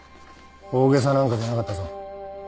大げさなんかじゃなかったぞ。